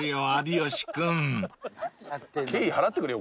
敬意払ってくれよ